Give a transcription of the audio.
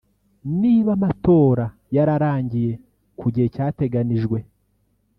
niba amatora yararangiriye ku gihe cyateganijwe